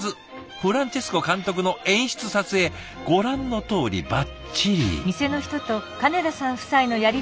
フランチェスコ監督の演出撮影ご覧のとおりバッチリ。